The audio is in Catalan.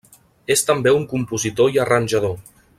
És també un compositor i arranjador.